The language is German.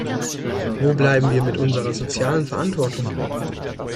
Wo bleiben wir mit unserer sozialen Verantwortung?